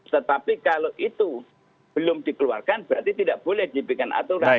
tetapi kalau itu belum dikeluarkan berarti tidak boleh diberikan aturan